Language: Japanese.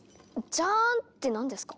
「ジャーン」って何ですか？